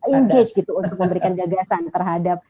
engage gitu untuk memberikan jaga sana terhadap